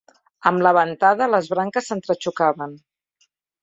Amb la ventada, les branques s'entrexocaven.